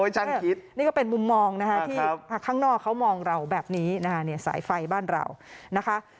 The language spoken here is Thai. ช่างคิดนี่ก็เป็นมุมมองนะคะที่ข้างนอกเขามองเราแบบนี้นะคะสายไฟบ้านเรานะคะ